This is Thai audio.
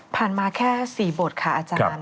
ผ่านมาแค่สี่บทค่ะอาจารย์